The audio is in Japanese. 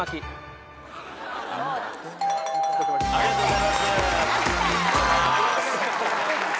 ありがとうございます。